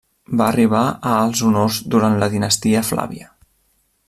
Va arribar a alts honors durant la dinastia Flàvia.